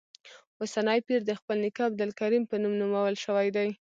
اوسنی پیر د خپل نیکه عبدالکریم په نوم نومول شوی دی.